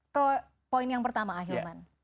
ke poin yang pertama ahilman